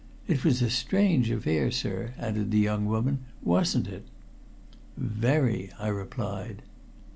It was a strange affair, sir," added the young woman, "wasn't it?" "Very," I replied.